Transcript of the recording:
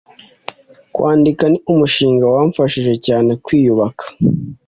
Kwandika ni umushinga wamfanshije cyane kwiyubaka